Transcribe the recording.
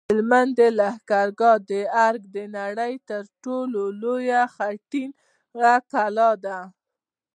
د هلمند د لښکرګاه ارک د نړۍ تر ټولو لوی خټین کلا ده